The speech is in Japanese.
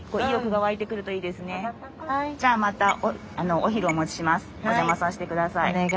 お邪魔させて下さい。